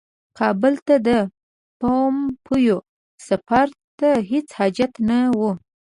کابل ته د پومپیو سفر ته هیڅ حاجت نه وو.